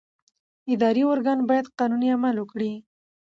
اداري ارګان باید قانوني عمل وکړي.